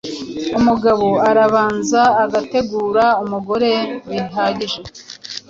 Umugabo arabanza agategura umugore bihagije